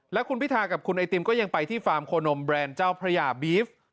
และคุณพิทากับคุณไอติมก็ยังไปที่ฟาร์มโคนมแรนด์เจ้าพระยาบีฟ